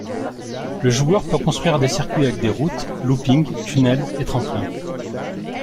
Le joueur peut construire des circuits avec des routes, loopings, tunnels et tremplins.